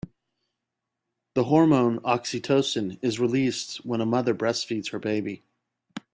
The hormone oxytocin is released when a mother breastfeeds her baby.